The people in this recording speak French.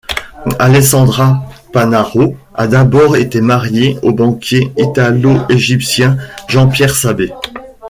Alessandra Panaro a d'abord été mariée au banquier italo-égyptien Jean-Pierre Sabet.